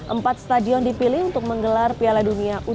empat stadion dipilih untuk menggelar piala dunia